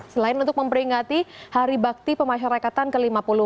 selain untuk memperingati hari bakti pemasyarakatan ke lima puluh empat